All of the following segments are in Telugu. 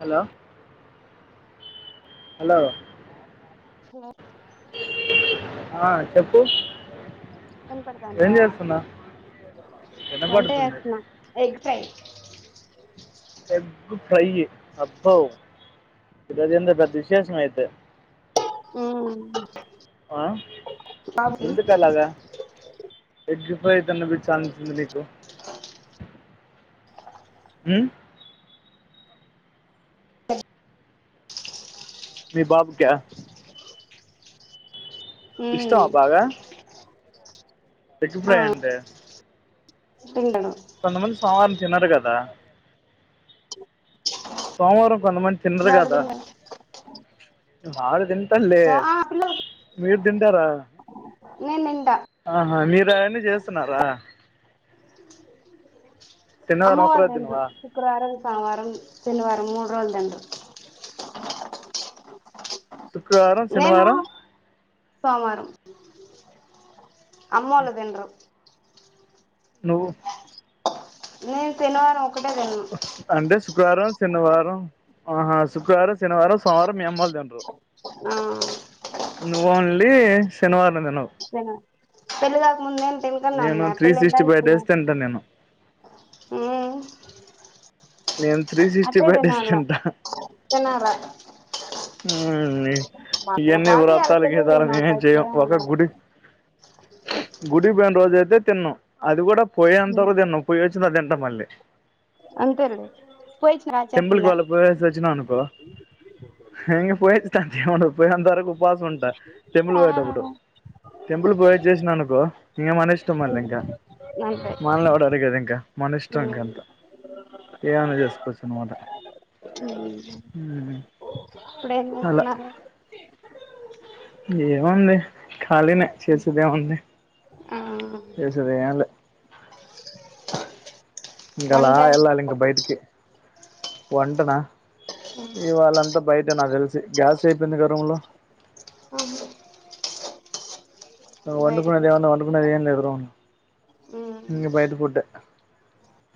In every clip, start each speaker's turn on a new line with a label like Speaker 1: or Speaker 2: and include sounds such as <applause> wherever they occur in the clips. Speaker 1: హలో హలో
Speaker 2: హలో
Speaker 1: ఆ చెప్పు ఏం
Speaker 2: వినపడతాందా
Speaker 1: చేస్తున్నా
Speaker 2: వంట
Speaker 1: వినపడుతుంది
Speaker 2: చేస్తున్నా ఎగ్ ఫ్రై
Speaker 1: ఎగ్ ఫ్రై అబ్బో గదేంతో పెద్ద విశేషమ అయితే
Speaker 2: ఉమ్
Speaker 1: ఆ ఎందుకలాగా ఎగ్ ఫ్రై తినపిచ్చాసింది నీకు ఉమ్ మీ బాబు క్యా
Speaker 2: మ్మ్
Speaker 1: ఇష్టమా బాగ
Speaker 2: ఆ
Speaker 1: అంటే
Speaker 2: తింటడు
Speaker 1: కొంతమంది సోమవారం తినరు కదా సోమవారం కొంతమంది తిన్రు
Speaker 2: వాడు
Speaker 1: కదా
Speaker 2: తినడు
Speaker 1: ఆరు తిం తింటాడ్లె
Speaker 2: సో
Speaker 1: మీరు తింటార
Speaker 2: నేన్ తింటా
Speaker 1: ఆహ మీరు అవన్నీ చేస్తున్నారా
Speaker 2: అమ్మ
Speaker 1: శనివారం
Speaker 2: వాళ్ల
Speaker 1: ఒకరోజు
Speaker 2: దాంట్ల
Speaker 1: తినవా
Speaker 2: శుక్రవారం, సోమవారం, శనివారం మూడు రోజలు తింటం
Speaker 1: శుక్రవారం
Speaker 2: నేను
Speaker 1: శనివారం
Speaker 2: సోమవారం అమ్మ వాళ్ళు తినరు
Speaker 1: నువ్వు
Speaker 2: నేను శనివారం ఒకటే తిన్ను
Speaker 1: అంటే శుక్రవారం, శనివారం ఆహా శుక్రవారం, శనివారం, సోమవారం మీ అమ్మోలు తినరు.
Speaker 2: ఆ
Speaker 1: నువ్ ఓన్లీ శనివారం తినవు
Speaker 2: తిన పెళ్ళి కాక ముందు నేను తింటూనే
Speaker 1: నేను
Speaker 2: ఉన్నా,
Speaker 1: త్రీ
Speaker 2: పెళ్లి ఐన
Speaker 1: సిక్స్టీ
Speaker 2: తర్వాత
Speaker 1: ఫైవ్
Speaker 2: తిన
Speaker 1: డేస్ తింటా నేను
Speaker 2: ఉమ్
Speaker 1: నేను త్రీ సిక్స్టీ ఫై డేస్ తింటా.
Speaker 2: తినాల
Speaker 1: ఉమ్ ఇ
Speaker 2: వాళ్ళ
Speaker 1: ఇయన్నీ
Speaker 2: పాటికి వాళ్ళ
Speaker 1: వ్రత్తాలు
Speaker 2: పెళ్లిళ్లు
Speaker 1: గితాలు
Speaker 2: నాకా
Speaker 1: మేమేం చెయం,
Speaker 2: ఇప్పుడేం
Speaker 1: ఒక
Speaker 2: ఉండదు
Speaker 1: గుడి గుడి పోయిన రోజు అయితే తిన్నం, అది కూడా పోయేంతగ తిన్నం పోయ వచ్చిన తింటా మళ్ళీ
Speaker 2: అంతే లే పోయిచ్చిన
Speaker 1: టెంపుల్ కి
Speaker 2: రాచేతుందా
Speaker 1: వాళ్ళు పోయేసి వచ్చిన అనుకో, ఇంగ పోయి వచ్చేటట్టు ఏం ఉండదు పోయినంత వరకు ఉపాసం ఉంటా టెంపుల్
Speaker 2: ఆ
Speaker 1: పోయేటప్పుడు టెంపుల్ పోయచ్చేసినా అనుకో, ఇంగ మన ఇష్టం మళ్ళీ ఇంకా
Speaker 2: నంటే
Speaker 1: గది ఇంకా మన ఇష్టం ఇంకంత ఏమన్నా చేసుకోవచ్చు అన్నమాట, ఉమ్
Speaker 2: ఇప్పుడేం
Speaker 1: అలా
Speaker 2: చేస్తున్నార్
Speaker 1: ఏముంది ఖాళీనే చేసేదేముంది.
Speaker 2: ఆ
Speaker 1: చేసిది ఏం లే ఇంకలా
Speaker 2: వంట
Speaker 1: ఎళ్ళాలి ఇంక బయటికి, వంటనా? ఇవాళ్ళంతా బయట నా తెలిసి, గ్యాస్ అయిపోయింది గ రూమ్ లో
Speaker 2: అవును
Speaker 1: నువ్ వండుకొనిది
Speaker 2: ఫుడ్
Speaker 1: ఏవన్నా వండుకునేది ఏం లేదు బ్రో ఇంగ బయటి ఫుడ్డే,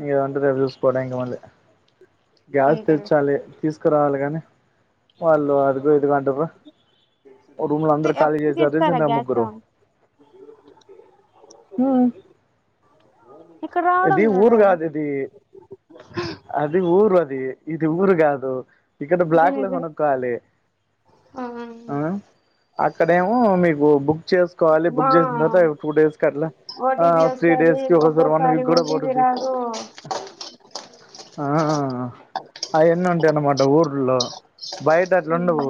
Speaker 1: ఇగ వంట రేపు చూస్కో టైముకి మళ్ళీ గ్యాస్
Speaker 2: అంతేలే
Speaker 1: తెచ్చాలి తీసుకురావాలి గని వాళ్ళు అదిగో ఇదుగో అంటరు, రూమ్ లో అందరు ఖాళీ చేసారు రీసెంట్ గ ముగ్గురు.
Speaker 2: ఊడి అగు
Speaker 1: ఉమ్
Speaker 2: అక్క రావడం
Speaker 1: ఊరు
Speaker 2: లేదా?
Speaker 1: కాదు ఇది అది ఊరు అది, ఇది ఊరు గాదు. ఇక్కడ బ్లాక్ లో
Speaker 2: అదేనేది
Speaker 1: కొనుక్కోవాలి,
Speaker 2: ఆ
Speaker 1: ఆ అక్కడేమో మీ భూ బు బుక్ చేసుకోవాలి,
Speaker 2: ఆ
Speaker 1: బుక్ చేసిన తర్వాత టూ డేస్ కి అట్లా, ఆ
Speaker 2: ఓటీపీ
Speaker 1: త్రీ
Speaker 2: వస్తది
Speaker 1: డేస్ కి ఒకసారి వన్ వీ
Speaker 2: ఒక్కోసారి ఓటీపీ
Speaker 1: పట్టుద్ది
Speaker 2: రాదు
Speaker 1: ఆ అయన్నివుంటయన్నమాట ఊరూళ్ళో. బయట అట్లుండవు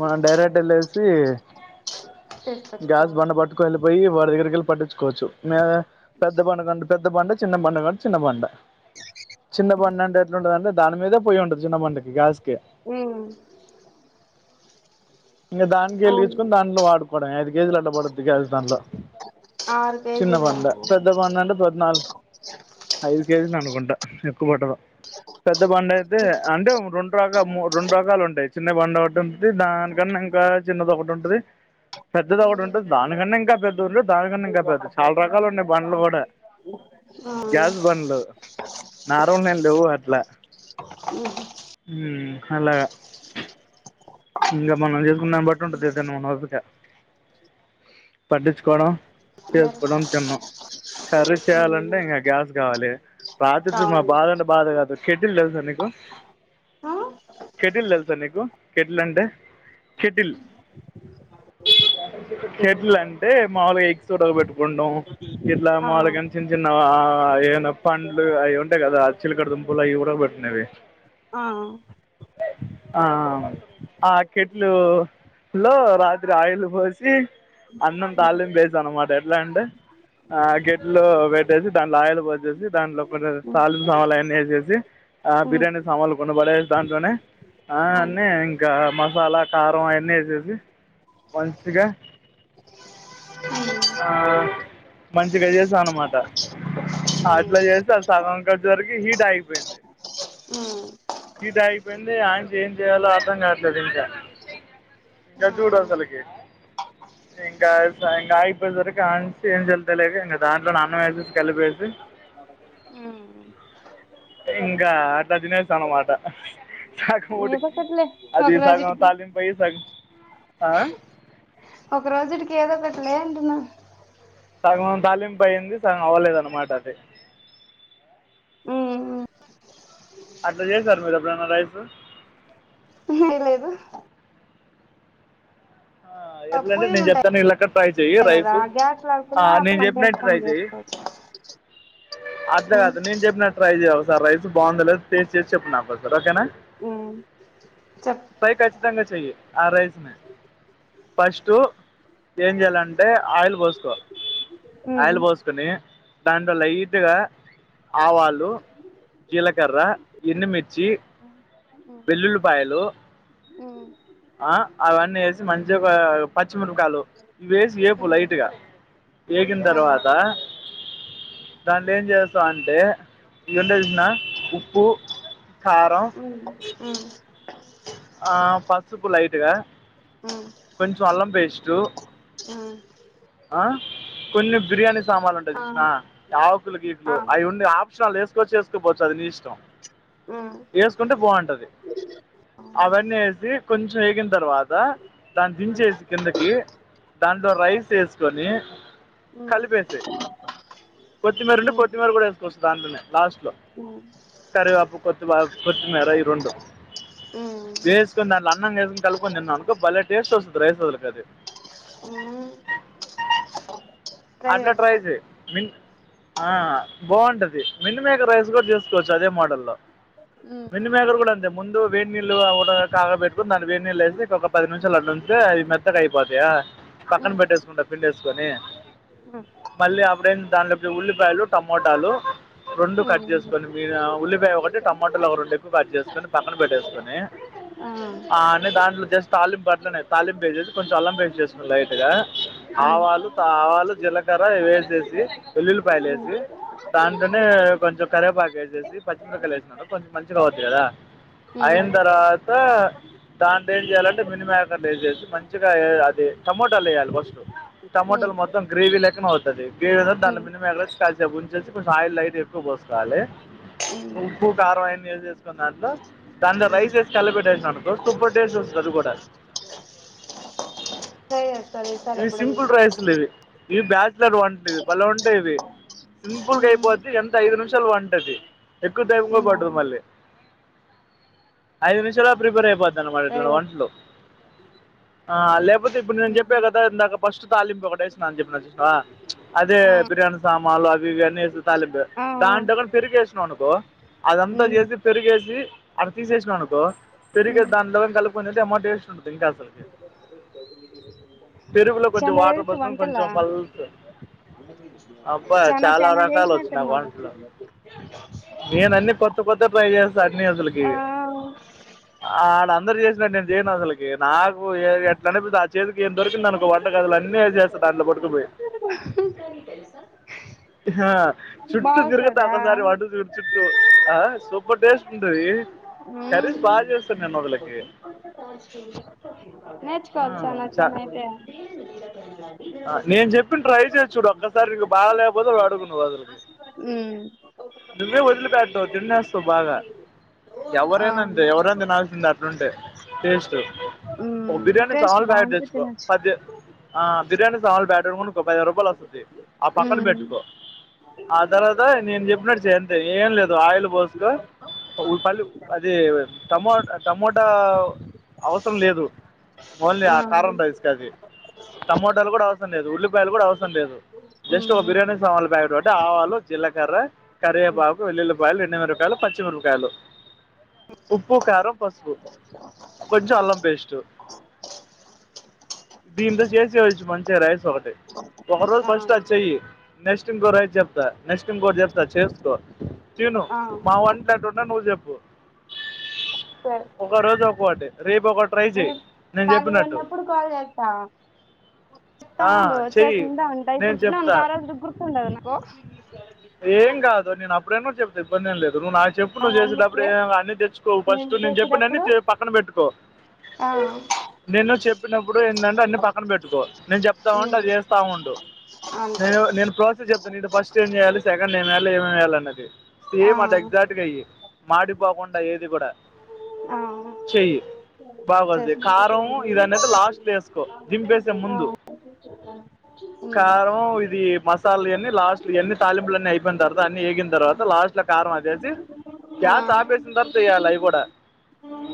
Speaker 1: మనం డైరెక్ట్ ఎళ్లేసి గ్యాస్
Speaker 2: తీసుకొచ్చుకోవాలి
Speaker 1: బండ పట్ వెళ్ళిపోయి వాడి దగ్గరికి వెళ్ళి పట్టించుకోచ్చు మెం పెద్ద బండుగని పెద్ద బండ చిన్న బండ కావాలంటే చిన్న బండ చిన్న బండ అంటే ఎట్లుంటందింటే దాని మీద పోయి ఉంటది చిన్న బండకి దా ఒకే ఇంక దానికె
Speaker 2: అవును
Speaker 1: వెలిగించుకొని దాంట్లో వాడు <unintelligible> ఐదు కేజీలన్నా పడుద్ది గానీ దాంట్లో
Speaker 2: ఆరు
Speaker 1: చిన్న
Speaker 2: కేజీలు
Speaker 1: బండ
Speaker 2: <unintelligible>
Speaker 1: పెద్ద బండ అంటే పద్నాలుగు ఐదు కేజీలు అనుకుంట ఎక్కువ బట్టదు పెద్ద బండ అయితే అంటే ఓ రెండు రకా ము రెండు రకాలుంటాయ్ చిన్న బండు ఒకటి దానికన్నా ఇంకా చిన్నది ఒకటి ఉంటది పెద్దదొకటి
Speaker 2: ఏదో
Speaker 1: ఉంటుంది <unintelligible> <unintelligible> పెద్దగున్న దానికన్నా ఇంకా పెద్దవి చాలా రకాలు ఉన్నాయి బండ్లు కూడ గ్యాస్ బండ్లు నా అరుండ్లో లేవు అట్ల
Speaker 2: <inaudible>
Speaker 1: మ్ము అలా ఇంక మనం చేసుకున్నదాన్ని బట్టి ఉంటది <unintelligible> పట్టిచ్చుకోవడం చేసుకోవడం తిన్నం కర్రీ చేయాలంటే ఇంగ గ్యాస్ కవాలి <unintelligible> మా బాధ అంటే బాధ కాదు కేటిల్ తెలుసా నీకు కేటిల్ తెలుసా నీకు కెటిల్ అంటే కెటిల్ కేటిలు అంటే మాముూలుగా ఎగ్స్ ఉడకబెట్టుకుంటం ఇట్ల మాములుగా చిన్నా ఏయిన పండ్లు అవి ఉంటాయి కదా చిలకడ దుంపలు అవి ఉడకబెట్టుకునేవి
Speaker 2: ఆ
Speaker 1: ఆ ఆ ఆ కెట్లు లో రాత్రి ఆయిల్ బోసి అన్నం తాలీంపు చేశా అన్నమాట ఎట్లా అంటే ఆ కెట్లో పెట్టేసి దాంట్లో ఆయలు పోసేసి దాంట్లో తాలింపు సామాన్లు అన్నీ వేసేసి ఆ బిర్యాని సామాన్లు కొన్నీ బడేది దాట్లోనే ఆ అన్నీ ఇంక మసాలా కారం అయాన్నీ ఎసేసి మంచిగ ఆ మంచిగా చేస అనమాట అట్లా చేస్తే ఆ సగం కాస్చెకి హీట్ ఆగిపోయింది
Speaker 2: ఉమ్
Speaker 1: హిట్ ఆగిపోయింది అణిచి ఏం చేయాలో అర్థం గాట్లేదు ఇంకా ఇంక చూడు అసలకి ఇంగా <unintelligible> ఆగిపోయిన సరికి ఎంజేద్ధం తెలిక ఇంగ దాట్లోనే అన్నం వేసేసి కలిపేసి
Speaker 2: హు
Speaker 1: ఇంక అట్ట తినేస అన్నమాట చాక్ ఒడి
Speaker 2: ఒకటిలే
Speaker 1: అది
Speaker 2: ఒక
Speaker 1: సగం
Speaker 2: రోజుటికి
Speaker 1: తాలింపై సగం ఆ
Speaker 2: ఒక రోజుడికి ఏదో ఒకటిలే అంటున్న
Speaker 1: సగం తాలింపైంది అయింది సగం అవ్వలేదన్నమాట అది
Speaker 2: ఉ
Speaker 1: అట్ల చేసార మీరేప్పుడైనా రైసూ
Speaker 2: <unintelligible>
Speaker 1: ఆ ఎట్లంటే
Speaker 2: పొయ్యిలు
Speaker 1: నేను
Speaker 2: ఉంటాయి
Speaker 1: చెప్తాను ఎల్లక్కడ ట్రై చేయి
Speaker 2: కదా
Speaker 1: రైసు
Speaker 2: గ్యాస్
Speaker 1: ఆ
Speaker 2: లేకుండా
Speaker 1: నేను
Speaker 2: వంట
Speaker 1: చెప్పినట్టు ట్రై
Speaker 2: వేసుకొని
Speaker 1: చైయ్యి
Speaker 2: చేసుకోవచ్చు
Speaker 1: <unintelligible> నేను చె <unintelligible> ట్రై చెయ్ ఒక సారి రైస్ బాగుందొ లేదు టేస్ట్ చేసి చెప్పు నాకు ఒకసారి ఓకేనా
Speaker 2: ఉమ్. చెప్పు
Speaker 1: కచ్చితంగా చెయ్యి ఆ రైస్ నీ ఫస్టు ఏం చేయ్యలంటే ఆయిల్ పోస్కో
Speaker 2: ఉమ్.
Speaker 1: ఆయిల్ పోస్ కొని దాంట్లో లైట్ గా ఆవాలు, జీలకర్ర, ఎండుమిర్చి వెల్లుల్లిపాయలు
Speaker 2: ఉమ్.
Speaker 1: ఆ అవన్నీ వేసి మంచిగా ఒక పచ్చిమిరపకాయలు ఇవి వేసి వేపు
Speaker 2: ఉమ్.
Speaker 1: లైట్ గా ఏగిన్
Speaker 2: ఆ.
Speaker 1: తర్వాత దాన్నేం చేస్తావంటే ఇవంటే చేసిన ఉప్పు, కారం ఇ ఆ పసుపు లైట్ గా
Speaker 2: ఉమ్
Speaker 1: కొంచెం అల్లం పేస్ట్టు
Speaker 2: ఆ
Speaker 1: ఆ కొన్ని బిర్యానీ సామాన్లు ఉంటాయ్ చూస్నా ఆకులు గీకులు అవి ఉండి ఆక్ ఎక్స్ట్రాల్ వేస్కోవచ్చు వేసుకోపోవచ్చు అది నీ ఇష్టం వేస్ కుంటే బాగుంటది అవన్నీ వేసి కొంచెం వేగిన్ తర్వాత్ దా దాని
Speaker 2: ట్రై
Speaker 1: దించేసి కిందకి దాంట్లో రైస్ ఏస్కొని కలిపేసే కొత్తిమీర ఉంటే కొత్తిమీర కూడా వేసుకోవచ్చు దాంట్లోనే లాస్ట్లో కరివవేపు కొత్తిమీ కొత్తిమేర ఈ రెండు వేస్కొని దాంట్లో అన్నం వేసుకొని కలుకొని తిన్నావ్ అనుకో భలే టేస్ట్ వస్తది రైసోల్లకు అది అట్లా ట్రై
Speaker 2: చేస్తా
Speaker 1: చెయ్ మిన్ ఆ బాగుంటది మిన్ మేక ప్రైస్ కూడా చేస్కోవచ్చు అదే మోడల్లో మిన్ మేకర్ కూడా అంతే ముందు వేడి నీళ్లు ఒ ఉడ కాగా పెట్కుని దాని వేడి నీళ్లు వేసి ఒక పది నిమిషాలు అట్ల ఉంచి అది మెత్ మెత్తగా అయిపోద్ది ఆ పక్కన పెట్టేసుకుంటా పిండి వేస్కొని మళ్ళీ అప్పుడేం దాంట్లో కి ఉల్లిపాయలు, టమోటాలు రెండు కట్ చేసుకొని మీ ఉల్లిపాయ ఒకటి టమాటోలు ఒక రెండు ఎక్కువ కట్ చేసుకొని పక్కన పెట్టేసుకొని ఆ అన్నీ దాంట్లో చేస్ తాలిప్ అట్లనే తాలింప్ పేసేసి కొంచెం అల్లం పేస్ట్ ఏస్కొని లైట్ గా ఆవాలు, ఆవాలు జీలకర్ర వేసేసి వెల్లుల్లిపాయల్లు వేసి దాంట్లోనే కొంచెం కరవేపాక వేసేసి పచ్చిమిరకాయలు వేసినాడు కొంచెం మంచిగా అవుద్ది కదా ఐన్ తర్వాత దాంట్లో ఏం చేయ్యాలంటే మిని మేకర్లు వేసేసి మంచిగా ఏ అది టమోటాలు వేయాలి ఫస్ట్
Speaker 2: ఉ
Speaker 1: టమోటాలు మొత్తం గ్రేవీలెక్కన అవుతది గ్రేవీ దాని మినిమేకర్ ఏసి కాలిసేపు ఉంచేసి కొంచెం ఆయిల్ అయితే ఎక్కువ పోసుకోవాలి ఉప్పు, కారం అవన్నీ వేసేస్కున్నాక దాంట్లో రైసె ఏస్ కల పెట్టేసిండు అనుకో సూపర్ టేస్ట్ వస్తది అది కూడా
Speaker 2: ట్రై చేస్తారు ఈసారి
Speaker 1: ఇవి
Speaker 2: ఎప్పుడన్నా
Speaker 1: సింపుల్ రైస్లు ఇవి ఇవి బ్యాచిలర్ వంట లివి బలే ఉంటాయి ఇవి సింపుల్ గా అయిపోద్ది ఎంత ఐదు నిమిషాలు వంటది ఎక్కువ టైమ్ కూడా పట్టదు మళ్ళీ ఐదు నిమిషాల్లో ప్రిపేర్ అయిపోతన్నమాట
Speaker 2: ట్రై
Speaker 1: ఇట్లాంటి
Speaker 2: చేస్తా
Speaker 1: వంట్లు ఆ లేకపోతే ఇప్పుడు నేను చెప్పా కదా ఇందాక ఫస్ట్ తాలింపు ఒకటి ఏస్ చెప్పిన చూస్నావా ప్చ్ అదే
Speaker 2: ఆ
Speaker 1: బిర్యానీ సామాన్లు అవి ఇవి అన్నీ వేసి తాలింప్
Speaker 2: ఆ ఆ
Speaker 1: దాంట్లో కూడా పెరుగు ఏసినావ్ అనుకో అదంతా చేసి పెరుగేసి అది తీసిసినావ్ అనుకో పెరిగ దాంట్లో వేస్కొన్ కలుపుకెని తింటే మ్మా టెస్ట్ ఉంటది ఇంకా అసలకి
Speaker 2: <unintelligible> ఫెసిలిటీ
Speaker 1: పెరుగు లో కొంచ వాటర్ పోసుకో కొంచెం పల్ అబ్బా
Speaker 2: చానా
Speaker 1: చాలా
Speaker 2: చానా
Speaker 1: రకాలు వచ్చు నాకు
Speaker 2: చేసినట్టున్నావు
Speaker 1: వంటలో నేనన్ని కొత్త కొత్త ట్రై చేస్తా అన్ని అసలుకి
Speaker 2: ఆ
Speaker 1: ఆ ఆడ అందరు చేసినడు నేను చేయను అసలుకి నాకు ఎట్ల అనేపిస్తే చే ఏం దొరికిందనుకో వంట గదిలో అన్నీ యేసెస్త ఆ చుట్టూ తిరుగుతా
Speaker 2: బావస్తదా
Speaker 1: ఒకసారి వాటు చరు చుట్టూ ఆ సూపర్ టేస్ట్ ఉంటది ఆ,
Speaker 2: నేర్చుకోవాలి చానా
Speaker 1: చా-
Speaker 2: సమయతే
Speaker 1: నేను చెప్పి ట్రై చేసి చూడు ఒక్కసారి నీకు బాగా లేకపోతే వాడుకున్నావు వాదులకి
Speaker 2: ఉ
Speaker 1: నువే వదిలి పెట్టావ్ తినేస్తవ్ బాగా
Speaker 2: ఆ
Speaker 1: ఎవరేనాంతే ఎవరేనా తినల్సింది అట్లుంటే టేస్ట్ ఓ
Speaker 2: ఉమ్
Speaker 1: బిర్యానీ
Speaker 2: టేస్ట్
Speaker 1: సామాన్ల ప్యాకెట్
Speaker 2: బాగుంటే
Speaker 1: తేచ్చుకో
Speaker 2: తినొచ్చు
Speaker 1: పది బిర్యానీ సామాలు బ్యాటర్ ఒకై ఐదు రూపాయలు వస్తుంది ఆ పక్కన
Speaker 2: ఉమ్
Speaker 1: పెట్టుకో ఆ తర్వాత నేను చెప్పినట్ చేయి అంతే ఏం లేదు ఆయిల్ పోసుకు పల్లి అది టమో టమోటా అవసరం లేదు ఓన్లీ ఆ కారం రైస్ కాది టమోటాలు కూడా అవసర లేదు ఉలిపాయలు కూడా అవసం లేదు జస్ట్ ఒక
Speaker 2: ఉమ్
Speaker 1: బిర్యానీ సామళ్లు ప్యాకెట్ పటి ద్ద ఆవాలు జీలకర్ర కరవేపాకు వెల్లుల్లిపాయలు ఎండు మిరూపాకాయలు పచ్చిమిరూపాకాయలు ఉప్పు కారం పసుపు కొంచం అల్లం పేస్ట్ బీమ్ ద చేజ్ చ్చు మంచిగా రైస్ ఒకటి ఒక రోజు
Speaker 2: ఆ
Speaker 1: ఫస్ట్ అది చేయి నెక్స్ట్ ఇంకో రైస్ చెప్తా నెక్స్ట్ ఇంకోటి చెప్తా చేసుకో తిను
Speaker 2: ఆ
Speaker 1: మా వంటలుంటంటే నువ్వు చెప్పు
Speaker 2: సరే
Speaker 1: ఒక రోజు ఒక్కోటి రేపు ఒకటి ట్రై చెయి
Speaker 2: నేను
Speaker 1: నేను
Speaker 2: ఖాళీగా
Speaker 1: చెప్పినట్టు
Speaker 2: ఉన్నప్పుడు కాల్
Speaker 1: ఆ
Speaker 2: చేస్తాండు
Speaker 1: చెయ్యి
Speaker 2: ఉంట
Speaker 1: నేను
Speaker 2: ఇప్పుడు తిన్న
Speaker 1: చెప్తా
Speaker 2: వనుకో ఆ రోజు గు తుండదనుకో
Speaker 1: ఏం కాదు నేను అప్పుడేన్నో చెప్తా ఇబ్బంది ఏం లేదు నువ్వు నాకు చెప్పు
Speaker 2: ఆ
Speaker 1: నువ్వు చేసేప్పుడు
Speaker 2: అందుకే
Speaker 1: ఏంలే అన్ని తెచ్చు ఫస్ట్ నేను చెప్పినన్ని పక్కన పెట్టుకో
Speaker 2: ఆ
Speaker 1: నేను చెప్పినప్పుడు ఏందాంటే అన్ని పక్కన పెట్టుకో నేను చెప్తా ఉంటే
Speaker 2: ఉమ్
Speaker 1: అది చేస్తా ఉండు
Speaker 2: అంతే
Speaker 1: నేను నేను ప్రాసెస్ చెప్తాను ఇటు ఫస్ట్ ఏం చేయాలి సెకండ్ ఏం చేయాలి ఏమేమియాలి అన్నది
Speaker 2: ఆ
Speaker 1: సేమ్ అది ఎగ్జాక్ట్గా అయి మాడిపోకుండా ఏది కూడా
Speaker 2: ఆ
Speaker 1: బాగుద్ది
Speaker 2: చేస్తా
Speaker 1: కారం ఇది అనేది లాస్ట్ లో వేసుకో దింపేసే ముందు
Speaker 2: ఆ
Speaker 1: కారం ఇది మస్ మసాలాలు ఈ యాన్నీ లాస్ట్ ఇయన్ని తాలీంపూలన్నీ అయినర్వాత అన్ని ఏగిం తర్వాత లాస్ట్ లో కారం ఆదేసి గ్యాస్ ఆపేసిన తర్వాత అవి కూడా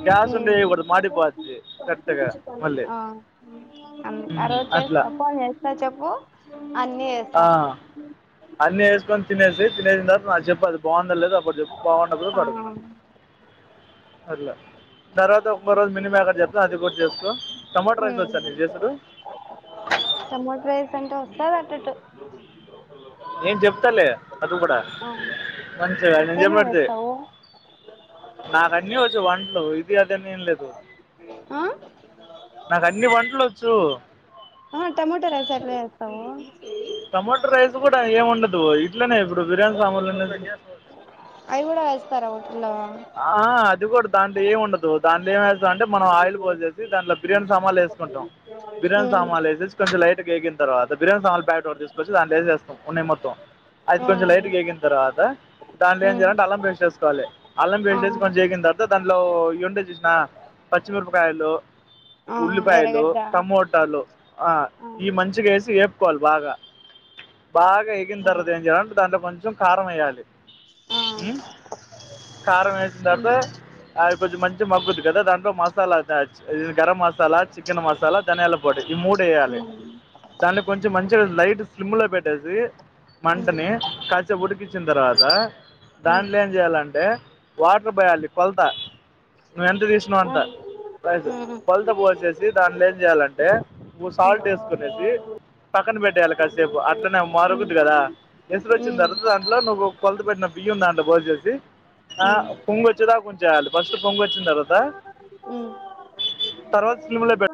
Speaker 1: గ్యాస్ ఉండేయకూడదు మాడి పోద్ది కెట్గా మల్లి
Speaker 2: అందు ఆ రోజు చేస్త ఫోన్ చేస్తా చెప్పు అన్ని
Speaker 1: ఆ అన్నీ వేసుకొని తినేసి తినేసిన తర్వాత నాకు చెప్పదు బాగుంద లేదు అప్పటి చెప్పు బాగుండప్పు
Speaker 2: ఆ
Speaker 1: పడుకున్నాను అట్లా తర్వాత ఒక రోజు మిలీమేకర్ చేప్త అది కూడా చేస్కో టమాటో రైస్ వచ్చా నీకు చేసుడు
Speaker 2: టమాటా రేస్ అంటే వస్తది అటట్టు
Speaker 1: నేను చెప్తాలే అది కూడా మంచి నేను
Speaker 2: ఏమేమి
Speaker 1: చెప్పలాడుతే
Speaker 2: వేస్తావు
Speaker 1: నాకు అన్నీ వచ్చు వంటలు ఇది అదని ఏం లేదు
Speaker 2: ఆ అ
Speaker 1: నాకు అన్ని వంటలు వచ్చు
Speaker 2: ఆ టమోటో రైస ఎలు వస్తావు
Speaker 1: టమాోటో రైస్ కూడా ఏమి ఉండదు ఇట్లనే ఇప్పుడు బిర్యానీ సామాన్లునే
Speaker 2: అవి కూడా వేస్తారా ఊటిల్లో
Speaker 1: అది కూడా దాంట్లో ఏముండదు దాంట్లో ఏంచేస్తారు అంటే మనం ఆయిల్ పోసేసి దాంట్లో బియానీ సమాలు వేసుకుంటాం కిరణ్ సమాలయ కొంచెం లైట్ గా వేగిన తర్వా బియాన్ల్ ప్యాట్ కూడా తీసుకొచ్చ దాలేేసేస్తా ఉన్నయి మొత్తం అయితే
Speaker 2: ఆ
Speaker 1: కొంచెం లైట్గా వేగిన తర్వాత దాంట్లో ఏం చేయాలంటే అల్లం పేస్ట్ వేసుకోవాలి అల్లం
Speaker 2: ఆ
Speaker 1: వేసేసి కొంచెం వేగిన తర్వాత దానిలో ఇవి ఉంటే చూసినవా పచ్చిమిరపకాయలు
Speaker 2: ఆ
Speaker 1: ఉల్లిపాయలు
Speaker 2: ఎర్రగడ్డ ఆ
Speaker 1: టమోట లు ఈ మంచిగా వేసి ఏప్పుకోవాలి బాగా బాగా ఎగిన
Speaker 2: ఆ
Speaker 1: తరుత ఏం చేయాలంటే దాంలో కొంచెం కారం వేయ్యాలి
Speaker 2: ఆ
Speaker 1: కారం వేసిన తర్వాత
Speaker 2: ఉమ్
Speaker 1: అది కొంచెం మంచి మగ్గుది కదా దాంట్లో మసాలా ఇ గరం మసాలా చికెన్ మసాలా దానియల పొడి ఈ మూడు వేయాలి
Speaker 2: ఉమ్
Speaker 1: దాన్ని కొంచెం మంచిగా లైట్ స్లిమ్ లో పెట్టేసి
Speaker 2: ఉమ్
Speaker 1: మంటని కాసేప్ ఉడికిచ్చిన తర్వాత
Speaker 2: ఉమ్
Speaker 1: దాంట్లో ఏం చెయాలంటే వాటర్ పోయాలి కొలత నువ్వ ఎంత తీసినవో
Speaker 2: ఆ
Speaker 1: అంత
Speaker 2: ఉమ్
Speaker 1: కిలత పోసేసి దాంట్లో ఏం చేయాలంటే నువ్వు
Speaker 2: ఉమ్
Speaker 1: సాల్ట్ వేసుకునేసి పక్కన పెట్టేయాలి కాసేపు అట్లానే
Speaker 2: ఉమ్
Speaker 1: మరుగుద్దు కదా ఎసురు వచ్చిన
Speaker 2: ఉమ్
Speaker 1: తర్వాత దాంట్లో నువ్వు కొలత పెట్న బియ్యం దాంట్లో పోసేసి ఆ
Speaker 2: ఉమ్
Speaker 1: పొంగ వచ్చేదాక ఉంచెయ్యాలి ఫస్ట్ పొంగ వచ్చిన తర్వాత
Speaker 2: ఉమ్.
Speaker 1: తర్వాత స్లిమ్ లో పేట్